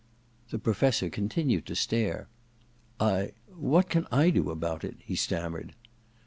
The Professor continued to stare. * I — what can I do about it ?' he stammered.